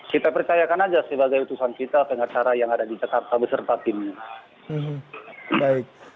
kita percayakan aja sebagai utusan kita pengacara yang ada di jakarta beserta timnya